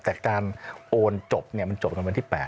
แต่การโอนจบมันจบกันวันที่๘